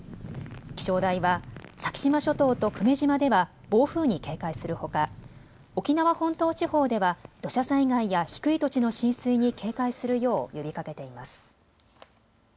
気象台は先島諸島と久米島では暴風に警戒するほか沖縄本島地方では土砂災害や低い土地の浸水に警戒するよう呼びかけています。